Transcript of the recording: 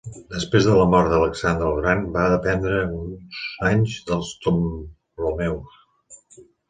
Després de la mort d'Alexandre el Gran va dependre uns anys dels Ptolemeus.